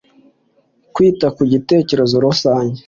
kwita ku gitekerezo rusange.